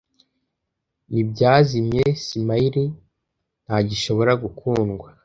Nibyazimye Smile ntagishobora gukundwa,